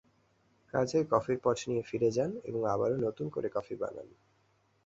কাজেই কফির পট নিয়ে ফিরে যান, এবং আবারো নতুন করে কফি বানান।